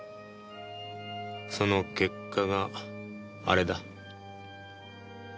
その結果があれだ。